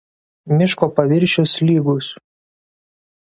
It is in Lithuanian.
Miško paviršius lygus.